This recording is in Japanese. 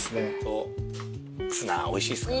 ツナおいしいですか？